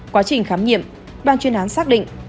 quá trình khám nghiệm ban chuyên án xác định